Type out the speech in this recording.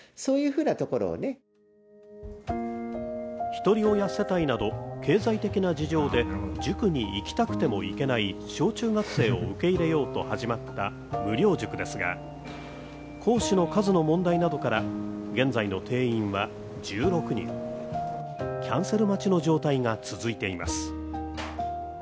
ひとり親世帯など経済的な事情で塾に行きたくても行けない小中学生を受け入れようと始まった無料塾ですが、講師の数の問題などから現在の定員は１６人、キャンセル待ちの状態が続いています。